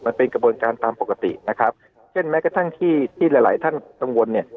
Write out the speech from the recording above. มันเป็นกระบวนการตามปกตินะครับเช่นแม้กระทั่งที่ที่หลายหลายท่านกังวลเนี่ย